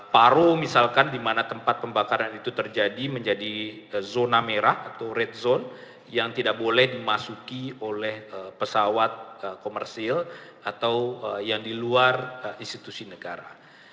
paru misalkan di mana tempat pembakaran itu terjadi menjadi zona merah atau red zone yang tidak boleh dimasuki oleh pesawat komersil atau yang di luar institusi negara